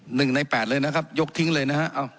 หนึ่งในแปดเลยนะครับยกทิ้งเลยนะฮะ